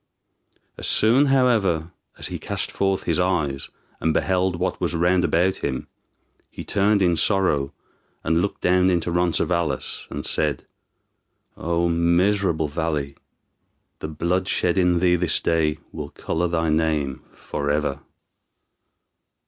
As soon, however, as he cast forth his eyes, and beheld what was round about him, he turned in sorrow, and looked down into Roncesvalles, and said, "O miserable valley! the blood shed in thee this day will color thy name forever."